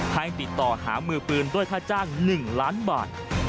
ให้ติดต่อหามือปืนด้วยค่าจ้าง๑ล้านบาท